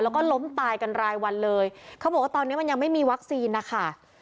แล้วก็ล้มตายกันรายวันเลยเขาบอกว่าตอนนี้มันยังไม่มีวัคซีนนะคะ